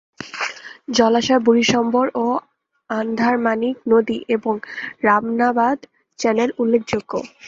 জলাশয় বুড়িশ্বর ও আন্ধারমানিক নদী এবং রাবনাবাদ চ্যানেল উল্লেখযোগ্য।